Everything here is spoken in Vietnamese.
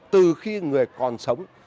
từ khi người còn sống